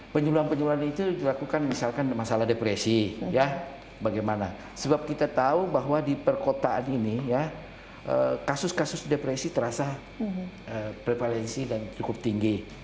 penyuluhan penyuluhan itu dilakukan misalkan masalah depresi ya bagaimana sebab kita tahu bahwa di perkotaan ini ya kasus kasus depresi terasa prevalensi dan cukup tinggi